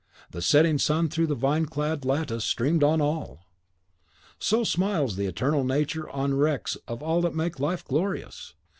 the setting sun through the vine clad lattice streamed on all! So smiles the eternal Nature on the wrecks of all that make life glorious!